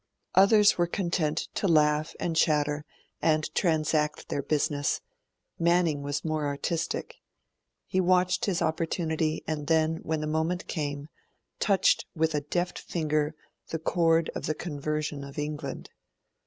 Others were content to laugh and chatter and transact their business; Manning was more artistic. He watched his opportunity, and then, when the moment came, touched with a deft finger the chord of the Conversion of England.